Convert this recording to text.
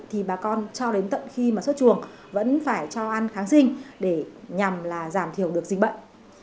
thì bà con cho đến tận khi mà xuất chuồng vẫn phải cho ăn kháng sinh để nhằm giảm thiểu được dịch bệnh